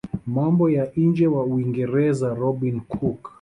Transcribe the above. mambo ya nje wa Uingereza Robin cook